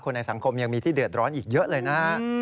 ในสังคมยังมีที่เดือดร้อนอีกเยอะเลยนะฮะ